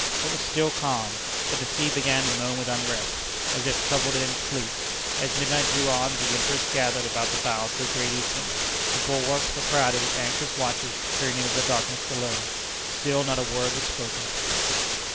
It was still calm, but the sea began to moan with unrest, as if troubled in its sleep. As midnight drew on, the interest gathered about the bows of the Great Eastern. The bulwarks were crowded with anxious watchers, peering into the darkness below. Still not a word was spoken.